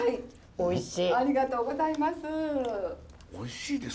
おいしい。